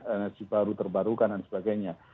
energi baru terbarukan dan sebagainya